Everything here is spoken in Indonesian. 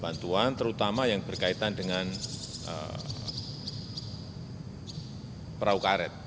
bantuan terutama yang berkaitan dengan perahu karet